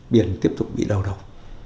biển tiếp tục bị đào độc